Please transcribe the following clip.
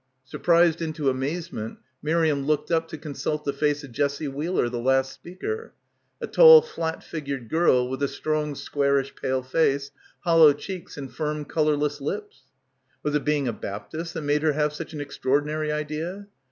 Surprised into amazement, Miriam looked up to consult the face of Jessie Wheeler, the last speaker — a tall flat figured girl with a strong squarish pale face, hollow cheeks, and firm colour less lips. Was it being a Baptist that made her have such an extraordinary idea?